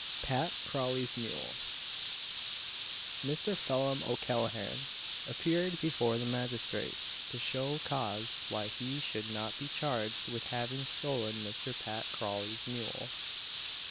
PAT CRAWLEY'S MULE. Mr. Phelim O'Callaghan appeared before the magistrate to show cause why he should not be charged with having stolen Mr. Pat Crawley's mule.